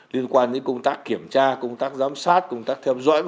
liên quan đến công tác kiểm tra công tác giám sát công tác theo dõi